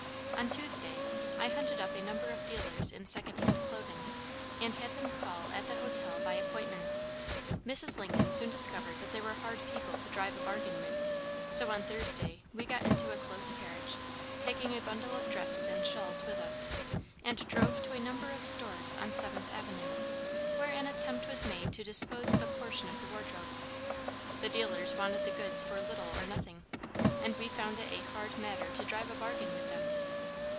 On Tuesday I hunted up a number of dealers in secondhand clothing, and had them call at the hotel by appointment. Mrs. Lincoln soon discovered that they were hard people to drive a bargain with, so on Thursday we got into a close carriage, taking a bundle of dresses and shawls with us, and drove to a number of stores on Seventh Avenue, where an attempt was made to dispose of a portion of the wardrobe. The dealers wanted the goods for little or nothing, and we found it a hard matter to drive a bargain with them.